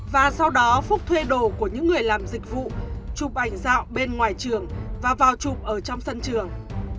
và sau đó phúc thuê đồ của những người làm dịch vụ chụp ảnh dạo bên ngoài trường và vào chụp ở trong sân trường